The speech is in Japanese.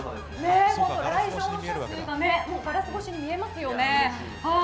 来場者の方もガラス越しに見えますよね。